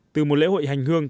từ một lễ hội hành hương